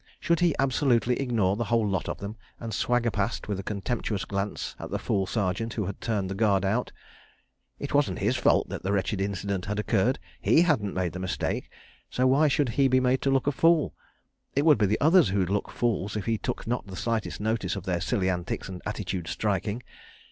Should he absolutely ignore the whole lot of them, and swagger past with a contemptuous glance at the fool Sergeant who had turned the Guard out? ... It wasn't his fault that the wretched incident had occurred. ... He hadn't made the mistake, so why should he be made to look a fool? It would be the others who'd look the fools, if he took not the slightest notice of their silly antics and attitude striking.